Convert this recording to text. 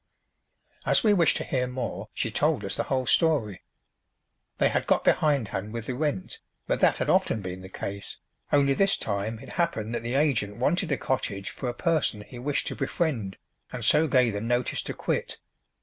As we wished to hear more she told us the whole story. They had got behindhand with the rent, but that had often been the case, only this time it happened that the agent wanted a cottage for a person he wished to befriend, and so gave them notice to quit.